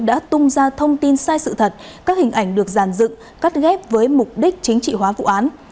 đã tung ra thông tin sai sự thật các hình ảnh được giàn dựng cắt ghép với mục đích chính trị hóa vụ án